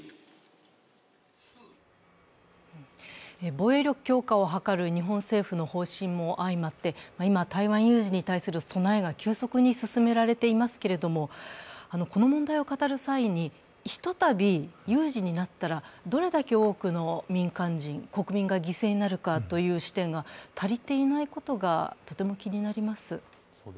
防衛力強化を図る日本政府の方針も相まって、今、台湾有事に対する備えが急速に進められていますけれども、この問題を語る際に、ひとたび有事になったらどれだけ多くの民間人、国民が犠牲になるかという視点が足りていなことがとても気になります。